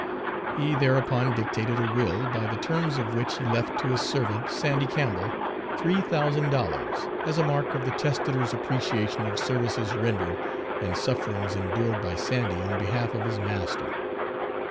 He thereupon dictated a will, by the terms of which he left to his servant, Sandy Campbell, three thousand dollars, as a mark of the testator's appreciation of services rendered and sufferings endured by Sandy on behalf of his master.